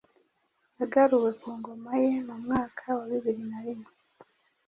Yagaruwe ku ngoma ye mu mwaka wa bibiri na rimwe